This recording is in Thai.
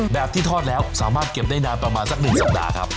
แบบที่ทอดแล้วสามารถเก็บได้นานประมาณสัก๑สัปดาห์ครับ